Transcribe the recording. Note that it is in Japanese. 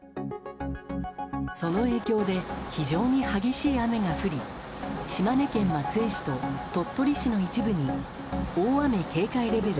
その影響で非常に激しい雨が降り島根県松江市と鳥取市の一部に大雨警戒レベル